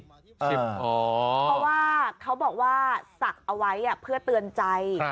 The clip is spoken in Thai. เพราะว่าเขาบอกว่าศักดิ์เอาไว้เพื่อเตือนใจ